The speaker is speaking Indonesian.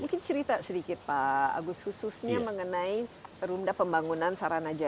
mungkin cerita sedikit pak agus khususnya mengenai runda pembangunan saranaja